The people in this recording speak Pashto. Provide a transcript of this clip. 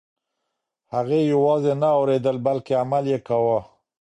هغې یوازې نه اورېدل بلکه عمل یې کاوه.